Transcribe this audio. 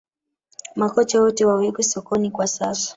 Makocha wote wawekwe sokoni kwa sasa